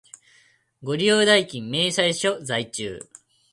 ご利用代金明細書在中